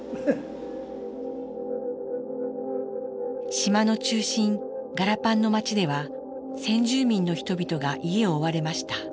島の中心ガラパンの街では先住民の人々が家を追われました。